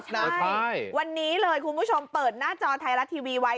ใช่วันนี้เลยคุณผู้ชมเปิดหน้าจอไทยรัฐทีวีไว้